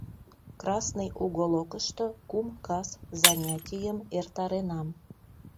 Красный уголокышто кум кас занятийым эртаренам.